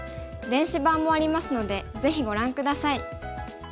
電子版もありますのでぜひご覧下さい。